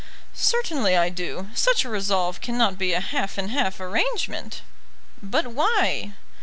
"Certainly I do. Such a resolve cannot be a half and half arrangement." "But why?"